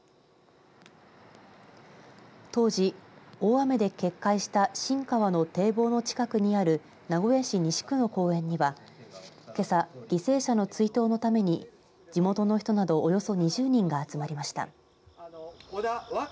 当時、大雨で決壊した新川の堤防の近くにある名古屋市西区の公園にはけさ、犠牲者の追悼のために地元の人などおよそ２０人が集まりました。